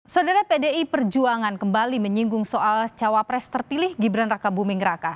saudara pdi perjuangan kembali menyinggung soal cawapres terpilih gibran raka buming raka